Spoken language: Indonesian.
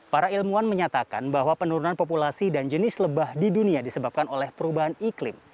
para ilmuwan menyatakan bahwa penurunan populasi dan jenis lebah di dunia disebabkan oleh perubahan iklim